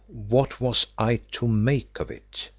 what was I to make of it?